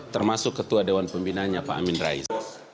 termasuk ketua dewan pembinanya pak amin rais